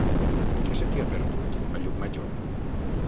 Què se t'hi ha perdut, a Llucmajor?